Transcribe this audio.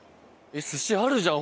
寿司あるじゃん